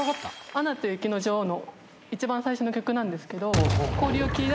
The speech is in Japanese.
『アナと雪の女王』の一番最初の曲なんですけど。